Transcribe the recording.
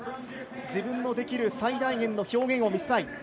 自分のできる最大限の表現を見せたい。